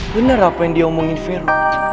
bener apa yang diomongin vero